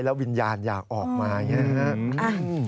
แล้ววิญญาณอยากออกมาอย่างนี้นะ